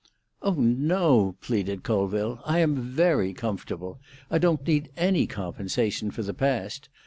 "Oh no," pleaded Colville. "I am very comfortable. I don't need any compensation for the past.